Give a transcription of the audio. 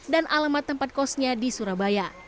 dan alamat tempat kosnya di surabaya